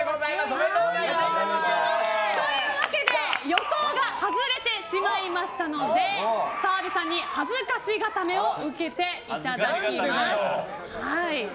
おめでとうございます！というわけで予想が外れてしまったので澤部さんに恥ずかし固めを受けていただきます。